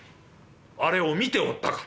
あれを見ておったか。